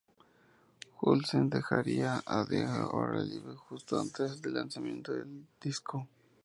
Hussey dejaría Dead or Alive justo antes del lanzamiento del disco.